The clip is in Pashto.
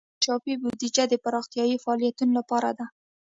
انکشافي بودیجه د پراختیايي فعالیتونو لپاره ده.